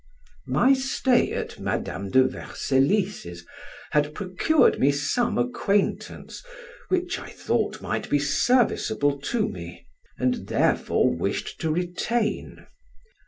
My stay at Madam de Vercellis's had procured me some acquaintance, which I thought might be serviceable to me, and therefore wished to retain.